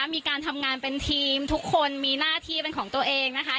มีการทำงานเป็นทีมทุกคนมีหน้าที่เป็นของตัวเองนะคะ